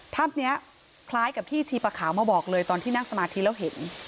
ภาพนี้คล้ายกับที่ชีปะขาวมาบอกเลยตอนที่นั่งสมาธิแล้วเห็น